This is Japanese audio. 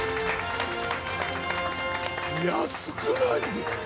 安くないですか？